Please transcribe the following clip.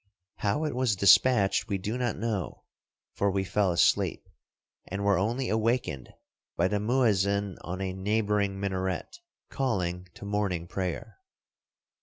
How it was despatched we do not know, for we fell asleep, and were only awakened by the muezzin on a neighboring minaret, calling to morning prayer.